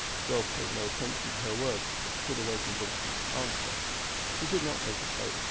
The girl paid no attention to her words, but stood awaiting Vincent's answer. He did not hesitate.